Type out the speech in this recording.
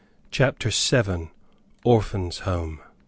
CHAPTER VII. ORPHAN'S HOME.